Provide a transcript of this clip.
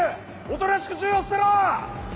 おとなしく銃を捨てろ！